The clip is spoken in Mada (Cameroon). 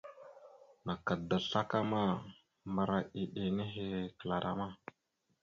Naka da slakama, mbəra iɗe nehe kəla rama.